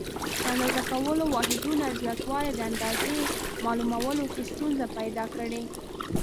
د اندازه کولو واحداتو زیاتوالي د اندازې معلومولو کې ستونزې پیدا کړې.